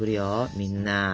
みんな。